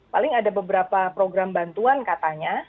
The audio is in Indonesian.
paling ada beberapa program bantuan katanya